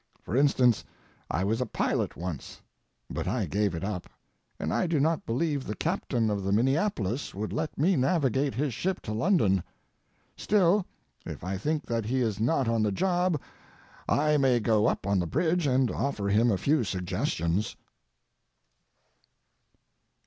For instance, I was a pilot once, but I gave it up, and I do not believe the captain of the Minneapolis would let me navigate his ship to London. Still, if I think that he is not on the job I may go up on the bridge and offer him a few suggestions.